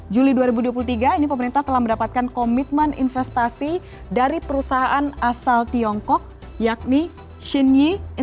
juli dua ribu dua puluh tiga ini pemerintah telah mendapatkan komitmen investasi dari perusahaan asal tiongkok yakni xinyi